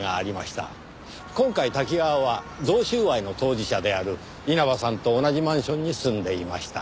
今回瀧川は贈収賄の当事者である稲葉さんと同じマンションに住んでいました。